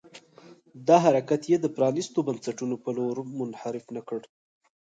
دا حرکت یې د پرانيستو بنسټونو په لور منحرف نه کړ.